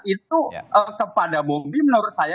itu kepada bobi menurut saya